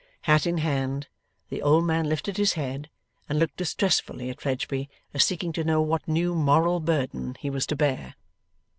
Hat in hand, the old man lifted his head, and looked distressfully at Fledgeby as seeking to know what new moral burden he was to bear.